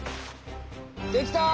できた！